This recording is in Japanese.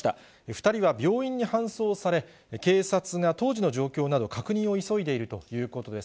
２人は病院に搬送され、警察が当時の状況など、確認を急いでいるということです。